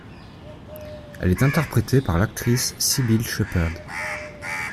Elle est interprétée par l'actrice Cybill Shepherd.